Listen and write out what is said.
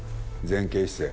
前傾姿勢。